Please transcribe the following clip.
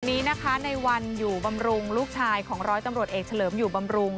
วันนี้นะคะในวันอยู่บำรุงลูกชายของร้อยตำรวจเอกเฉลิมอยู่บำรุง